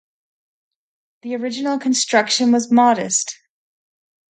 The original construction was modest.